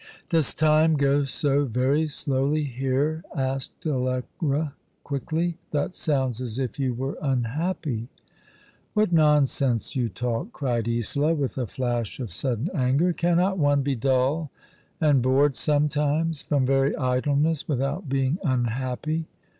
" Does time go so very slowly here ?" asked Allegra, quickly. " That sounds as if you were unhappy." " What nonsense you talk !" cried Isola, with a flash of sudden anger. "Cannot one be dull and bored sometimes — from very idleness — without being unhappy